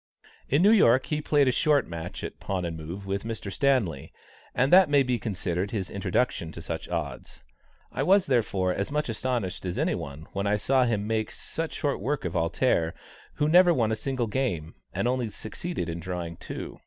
In New York he played a short match at pawn and move with Mr. Stanley, and that may be considered his introduction to such odds; I was therefore as much astonished as any one when I saw him make such short work of "Alter," who never won a single game, and only succeeded in drawing two.